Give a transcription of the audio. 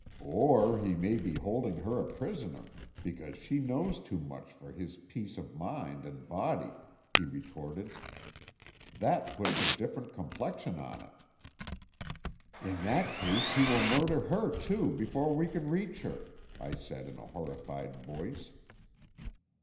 "Or he may be holding her a prisoner because she knows too much for his peace of mind and body," he retorted. "That puts a different complexion on it." "In that case he will murder her, too, before we can reach her," I said in a horrified voice.